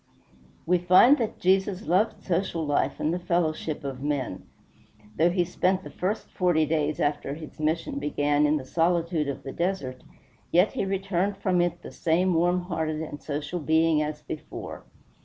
We find that Jesus loved social life and the fellowship of men. Though he spent the first forty days after his mission began in the solitude of the desert, yet he returned from it the same warm hearted and social being as before.